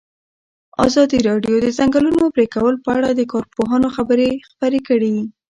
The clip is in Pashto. ازادي راډیو د د ځنګلونو پرېکول په اړه د کارپوهانو خبرې خپرې کړي.